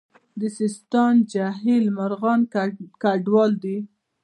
د سیستان جهیل مرغان کډوال دي